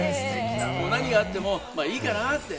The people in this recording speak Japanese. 何があっても、まあいいかなって。